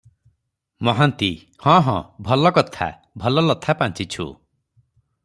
ମହାନ୍ତି-ହଁ -ହଁ, ଭଲ କଥା, ଭଲ ଲଥା ପାଞ୍ଚିଛୁ ।